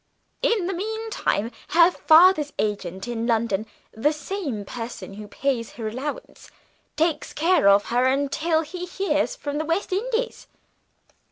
In the meantime, her father's agent in London the same person who pays her allowance takes care of her until he hears from the West Indies."